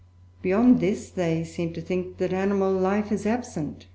Beyond this they seem to think that animal life is absent.